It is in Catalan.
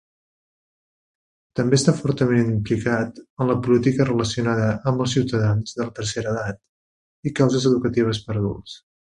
També està fortament implicat en la política relacionada amb els ciutadans de la tercera edat i causes educatives per a adults.